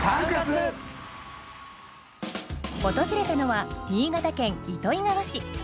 訪れたのは新潟県糸魚川市。